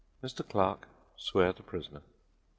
Mr. Clerk, swear the prisoner."